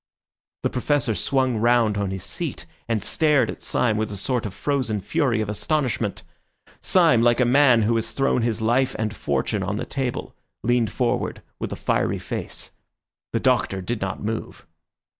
The Professor swung round on his seat, and stared at Syme with a sort of frozen fury of astonishment. Syme, like a man who has thrown his life and fortune on the table, leaned forward with a fiery face. The Doctor did not move.